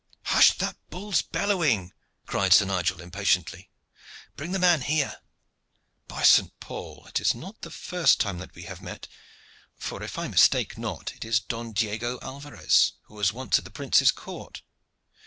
"Hush that bull's bellowing!" cried Sir Nigel impatiently. "Bring the man here. By St. Paul! it is not the first time that we have met; for, if I mistake not, it is Don Diego Alvarez, who was once at the prince's court."